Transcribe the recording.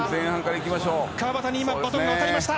川端にバトンが渡りました。